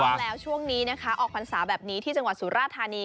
ถูกฟังแล้วช่วงนี้ออกพันษาแบบนี้ที่จังหวัดสุราธารณี